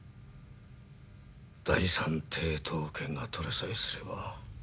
第三抵当権が取れさえすれば。